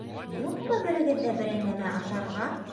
Юҡмы берегеҙҙә берәй нәмә ашарға?